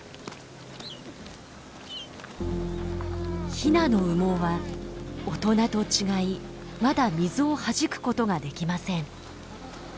ヒナの羽毛は大人と違いまだ水をはじくことができません。